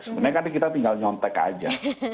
sebenarnya kan kita tinggal nyontek aja